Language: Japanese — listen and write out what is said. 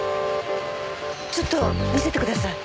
ちょっと見せてください。